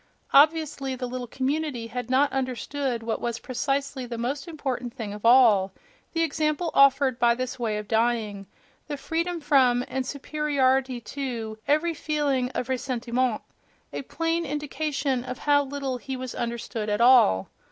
Obviously, the little community had not understood what was precisely the most important thing of all: the example offered by this way of dying, the freedom from and superiority to every feeling of ressentiment—a plain indication of how little he was understood at all!